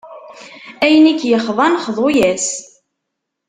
Ayen i k-ixḍan, xḍu-as.